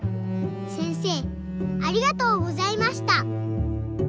せんせいありがとうございました。